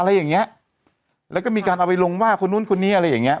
อะไรอย่างเงี้ยแล้วก็มีการเอาไปลงว่าคนนู้นคนนี้อะไรอย่างเงี้